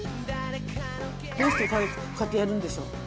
どうしてこうやってやるんでしょう？